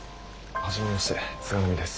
初めまして菅波です。